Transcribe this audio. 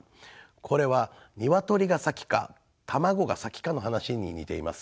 これは鶏が先か卵が先かの話に似ています。